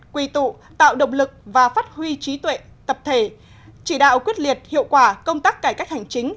quy tụ tạo động lực và phát huy trí tuệ tập thể chỉ đạo quyết liệt hiệu quả công tác cải cách hành chính